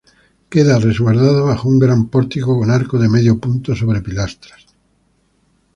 Queda resguardada bajo un gran pórtico con arco de medio punto sobre pilastras.